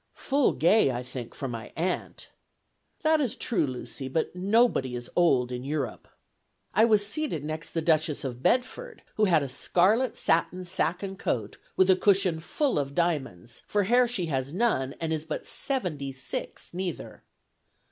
'Full gay, I think, for my aunt.' That is true, Lucy, but nobody is old in Europe. I was seated next the Duchess of Bedford, who had a scarlet satin sack and coat, with a cushion full of diamonds, for hair she has none, and is but seventy six, neither.